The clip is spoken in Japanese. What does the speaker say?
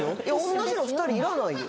同じの２人いらないよ。